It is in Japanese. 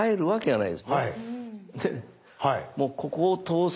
はい。